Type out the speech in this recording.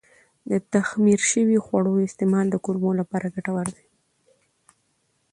د تخمیر شوي خواړو استعمال د کولمو لپاره ګټور دی.